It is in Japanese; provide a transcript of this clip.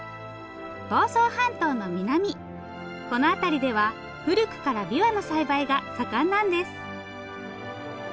房総半島の南この辺りでは古くからびわの栽培が盛んなんです。